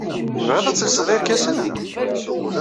Tebɣiḍ ad telseḍ irkasen?